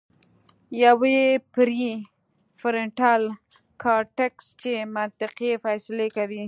يوه پري فرنټل کارټيکس چې منطقي فېصلې کوي